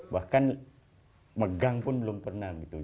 bahkan megang pun belum pernah gitu